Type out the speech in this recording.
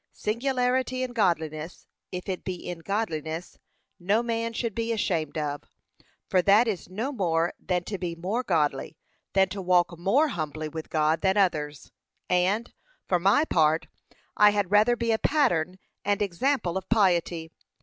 Singularity in godliness, if it be in godliness, no man should be ashamed of. For that is no more than to be more godly, than to walk more humbly with God than others; and, for my part, I had rather be a pattern and example of piety.